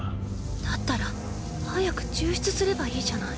だったら早く抽出すればいいじゃない